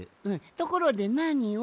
ところでなにを？